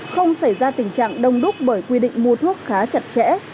không xảy ra tình trạng đông đúc bởi quy định mua thuốc khá chặt chẽ